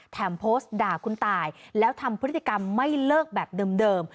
โพสต์ด่าคุณตายแล้วทำพฤติกรรมไม่เลิกแบบเดิม